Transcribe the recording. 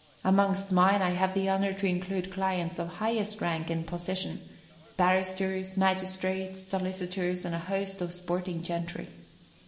Amongst mine I have the honour to include clients of highest rank and position, barristers, magistrates, solicitors and a host of sporting gentry.